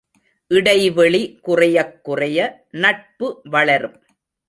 இடைவெளி குறையக் குறைய நட்பு வளரும்.